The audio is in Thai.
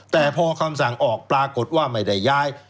แต่พอคำสั่งออกปรากฏว่าไม่ได้ย้าย